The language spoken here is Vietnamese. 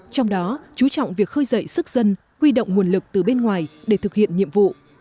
trong đó chú trọng việc khơi dậy sức dân huy động nguồn lực từ bên ngoài để thực hiện nhiệm vụ